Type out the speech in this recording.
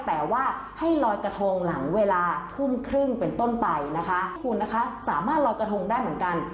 แต่ว่าให้ลอยกระทงหลังเวลาทุ่มครึ่งเป็นต้นไปนะคะคุณนะคะสามารถลอยกระทงได้เหมือนกัน